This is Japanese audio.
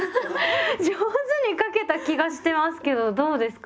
上手に書けた気がしてますけどどうですかね？